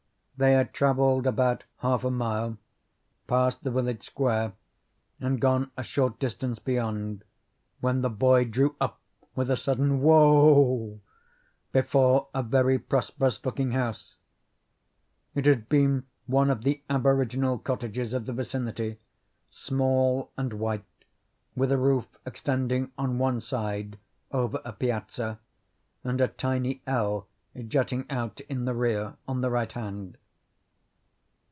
They had traveled about half a mile, passed the village square, and gone a short distance beyond, when the boy drew up with a sudden Whoa! before a very prosperous looking house. It had been one of the aboriginal cottages of the vicinity, small and white, with a roof extending on one side over a piazza, and a tiny "L" jutting out in the rear, on the right hand.